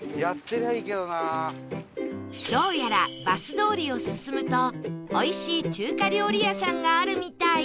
どうやらバス通りを進むとおいしい中華料理屋さんがあるみたい